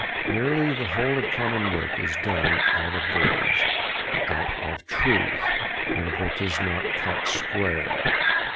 Nearly the whole of common work is done out of boards. OUT OF TRUTH.—When a book is not cut square.